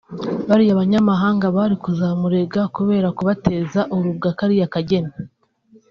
bariya banyamahanga bari kuzamurega kubera kubateza urubwa kariya kageni